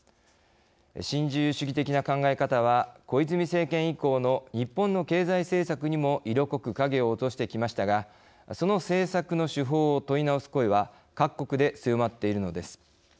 新自由主義的な考え方は小泉政権以降の日本の経済政策にも色濃く影を落としてきましたがその政策の手法を問い直す声は各国で強まっているのです。